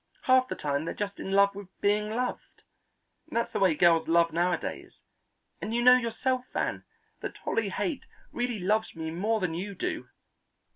Half the time they're just in love with being loved. That's the way most girls love nowadays, and you know yourself, Van, that Dolly Haight really loves me more than you do."